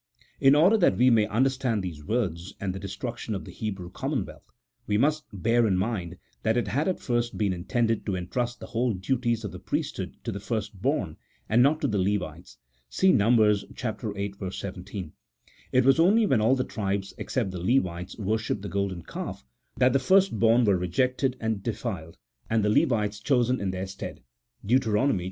In order that we may understand these words, and the destruction of the Hebrew commonwealth, we must bear in mind that it had at first been intended to entrust the whole duties of the priesthood to the firstborn, and not to the Levites (see Numb. viii. 17). It was only when all the tribes, except the Levites, worshipped the golden calf, that CHAP. XVII.] OP THE HEBREW THEOCRACY. 233 the firstborn were rejected and defiled, and the Levites chosen in their stead (Dent.